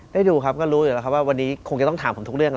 ได้ดูครับก็รู้อยู่แล้วครับว่าวันนี้คงจะต้องถามผมทุกเรื่อง